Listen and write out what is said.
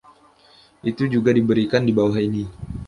Itu juga diberikan di bawah ini.